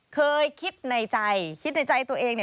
เคยคิดในใจคิดในใจตัวเอง